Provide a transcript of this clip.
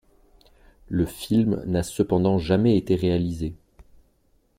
Le film n'a cependant jamais été réalisé.